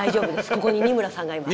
ここに二村さんがいます。